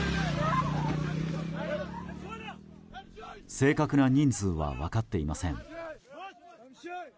正確な人数は分かっていません。